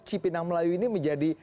cipinang melayu ini menjadi